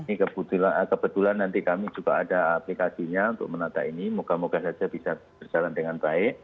ini kebetulan nanti kami juga ada aplikasinya untuk menata ini moga moga saja bisa berjalan dengan baik